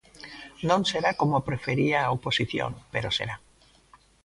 Non será como prefería a oposición, pero será.